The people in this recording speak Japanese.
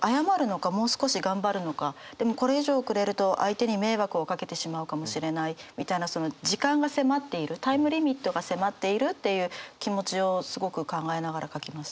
でもこれ以上遅れると相手に迷惑をかけてしまうかもしれないみたいなその時間が迫っているタイムリミットが迫っているっていう気持ちをすごく考えながら書きました。